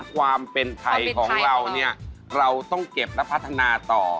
ความเป็นไทยของเราเนี่ยเราต้องเก็บและพัฒนาต่อ